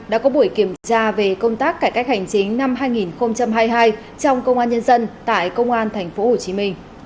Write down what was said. đã có buổi kiểm tra về công tác cải cách hành chính năm hai nghìn hai mươi hai trong công an nhân dân tại công an tp hcm